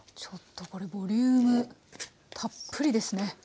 ちょっとこれボリュームたっぷりですね。